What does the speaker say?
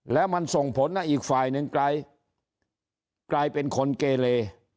แล้วมันส่งผลให้อีกฝ่ายหนึ่งกลายเป็นคนเกเล